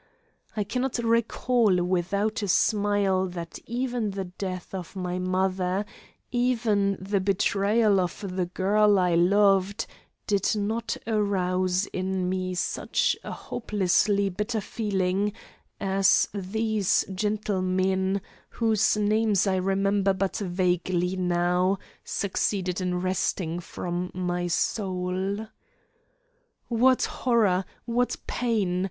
I cannot recall without a smile that even the death of my mother, even the betrayal of the girl I loved did not arouse in me such a hopelessly bitter feeling as these gentlemen, whose names I remember but vaguely now, succeeded in wresting from my soul. "What horror! What pain!